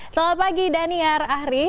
selamat pagi daniar ahri